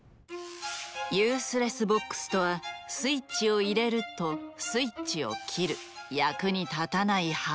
ユースレスボックスとはスイッチを入れるとスイッチを切る役に立たない箱。